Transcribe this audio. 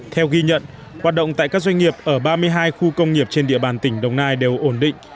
theo ghi nhận hoạt động tại các doanh nghiệp ở ba mươi hai khu công nghiệp trên địa bàn tỉnh đồng nai đều ổn định